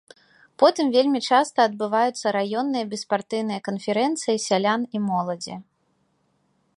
Потым вельмі часта адбываюцца раённыя беспартыйныя канферэнцыі сялян і моладзі.